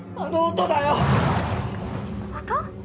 ・音？